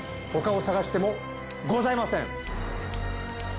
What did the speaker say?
他を探してもございません！